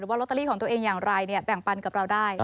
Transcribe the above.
หรือว่าลอตเตอรี่ของตัวเองอย่างไรเนี่ยแปลงปันกับเราได้